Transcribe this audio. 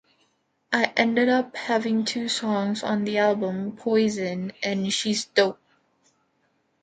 I ended up having two songs on the album: "Poison" and "She's Dope!".